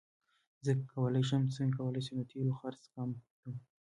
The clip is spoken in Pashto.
څنګه کولی شم د تیلو خرڅ کم کړم